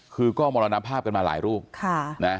คือก็มรณภาพกันมาหลายรูป